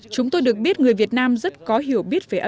chúng tôi được biết người việt nam rất có hiểu biết về âm nhạc